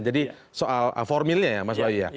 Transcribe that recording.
soal formilnya ya mas bayu ya